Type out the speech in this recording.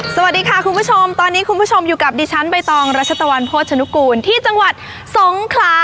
สวัสดีค่ะคุณผู้ชมตอนนี้คุณผู้ชมอยู่กับดิฉันใบตองรัชตะวันโภชนุกูลที่จังหวัดสงขลา